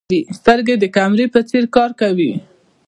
سترګې د کیمرې په څېر کار کوي.